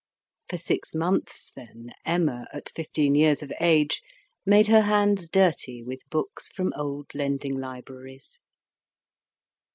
For six months, then, Emma, at fifteen years of age, made her hands dirty with books from old lending libraries.